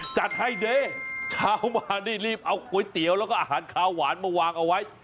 จัดให้เด้เช้ามานี่รีบเอาก๋วยเตี๋ยวแล้วก็อาหารขาวหวานมาวางเอาไว้